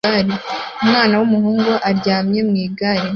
Umwana w'umuhungu aryamye mu igare